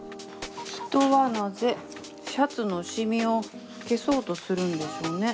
人はなぜシャツのシミを消そうとするんでしょうね。